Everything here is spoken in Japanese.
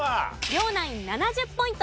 両ナイン７０ポイント。